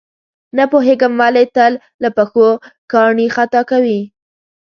نه پوهېږم ولې تل له پښو کاڼي خطا کوي.